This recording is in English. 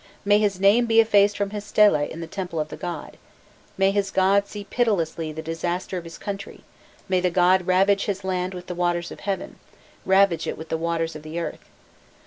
May his name be effaced from his stelae in the temple of his god! May his god see pitilessly the disaster of his country, may the god ravage his land with the waters of heaven, ravage it with the waters of the earth.